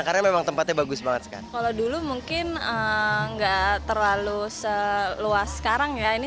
karena memang tempatnya bagus banget kalau dulu mungkin enggak terlalu seluas sekarang ya ini